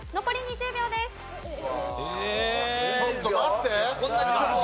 残り２０秒です。